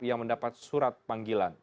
yang mendapat surat panggilan